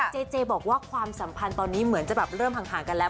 เจเจบอกว่าความสัมพันธ์ตอนนี้เหมือนจะแบบเริ่มห่างกันแล้ว